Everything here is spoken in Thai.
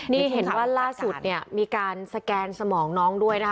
นี่เห็นว่าล่าสุดเนี่ยมีการสแกนสมองน้องด้วยนะคะ